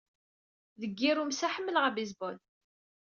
Deg yirumsa, ḥemmleɣ abaseball.